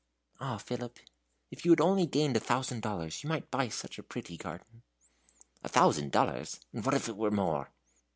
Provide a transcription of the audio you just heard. "Ah, Philip, if you had only gained a thousand dollars, you might buy such a pretty garden!" "A thousand dollars! And what if it were more?"